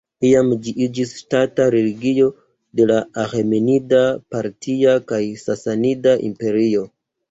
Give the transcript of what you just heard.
Iam ĝi iĝis ŝtata religio de la Aĥemenida, Partia kaj Sasanida Imperio.